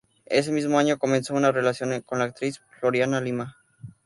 Ese mismo año comenzó una relación con la actriz Floriana Lima.